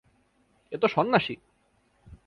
এ তো সন্ন্যাসী!